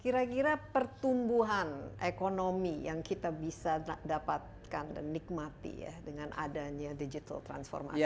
kira kira pertumbuhan ekonomi yang kita bisa dapatkan dan nikmati ya dengan adanya digital transformasi